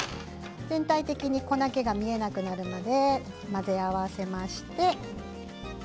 全体的に粉が見えなくなるまで混ぜ合わせていきます。